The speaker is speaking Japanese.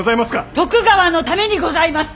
徳川のためにございます。